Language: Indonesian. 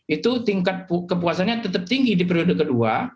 itu tingkat kepuasannya tetap tinggi di periode kedua